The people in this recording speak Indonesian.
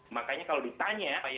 makanya kalau ditanya